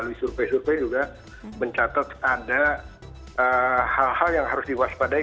rupai rupai juga mencatat ada hal hal yang harus diwaspadai